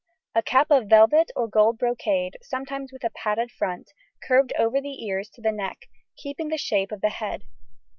A cap of velvet or gold brocade, sometimes with a padded front, curved over the ears to the neck, keeping the shape of the head.